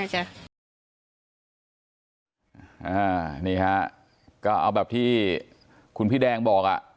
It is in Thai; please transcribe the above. นี่ฮะก็เอาแบบที่คุณพี่แดงบอกอ่ะ